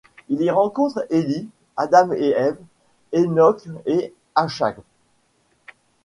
Il y rencontre Élie, Adam & Ève, Enoch et Achab.